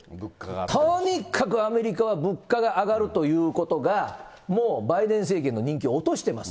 とにかくアメリカは物価が上がるということが、もうバイデン政権の人気を落としてます。